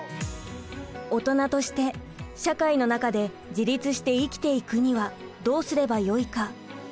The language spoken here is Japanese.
大人として社会の中で自立して生きていくにはどうすればよいか？